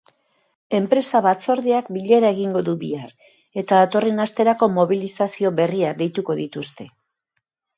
Enpresa batzordeak bilera egingo du bihar eta datorren asterako mobilizazio berriak deituko dituzte.